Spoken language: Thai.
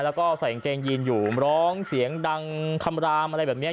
แล้วก็ใส่กางเกงยีนอยู่ร้องเสียงดังคำรามอะไรแบบนี้